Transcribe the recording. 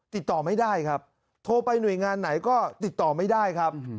ติดต่อไม่ได้ครับโทรไปหน่วยงานไหนก็ติดต่อไม่ได้ครับ